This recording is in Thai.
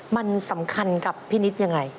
มันสำคัญกับพี่นิดยังไง